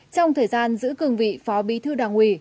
trong thời gian giữ cương vị phó bí thư đảng ủy